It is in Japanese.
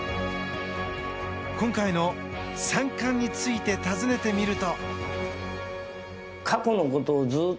今回の３冠について尋ねてみると。